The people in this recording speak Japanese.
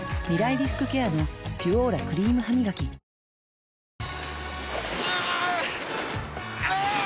リスクケアの「ピュオーラ」クリームハミガキあ゛ーーー！